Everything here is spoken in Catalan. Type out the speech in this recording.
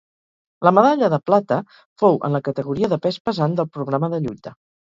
La medalla de plata fou en la categoria de pes pesant del programa de lluita.